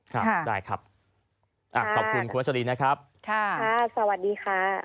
ครับได้ครับขอบคุณคุณวัชรีนะครับค่ะสวัสดีค่ะ